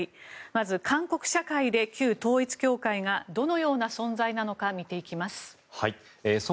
まず、韓国社会で旧統一教会がどのような存在なのか見ていきます。